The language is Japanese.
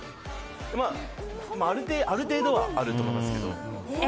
まあ、ある程度はあると思いますけど。